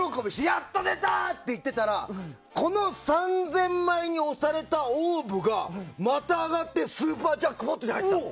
やっと出た！って言ってたらこの３０００枚に押されたオーブがまた上がってスーパージャックポットに入ったの。